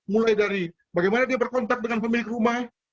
mulai dari bagaimana dia berkontak dengan pemilik rumah